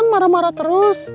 neng marah marah terus